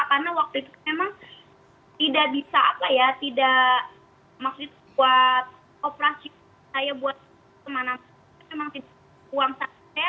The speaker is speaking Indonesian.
karena waktu itu memang tidak bisa apa ya tidak maksudnya buat operasi saya buat teman teman saya memang tidak punya uang saham saya